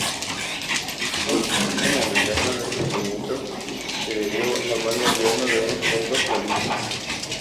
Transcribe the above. Con todo, este momentáneo resurgimiento se debió al buen gobierno de unos pocos califas.